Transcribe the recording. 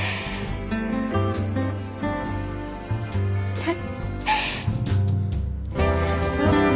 はい。